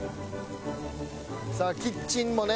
さあキッチンもね